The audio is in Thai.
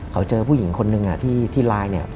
มีหญิงคนหนึ่งที่ไลน์เนี่ย